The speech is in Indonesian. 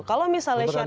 kalau misalnya syarat